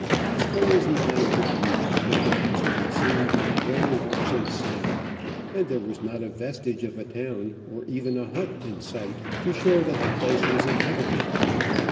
As far as the eye could reach nothing was to be seen but bare rocks and sand, and there was not a vestige of a town or even a hut in sight to show that the place was inhabited.